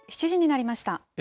７時になりました。